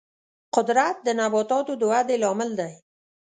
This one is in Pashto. قدرت د نباتاتو د ودې لامل دی.